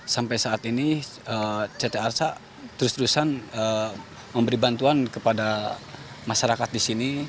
sampai saat ini ct arsa terus terusan memberi bantuan kepada masyarakat di sini